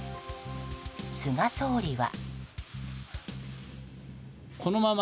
菅総理は。